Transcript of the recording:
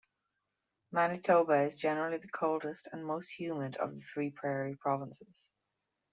Manitoba is generally the coldest and most humid of the three prairie provinces.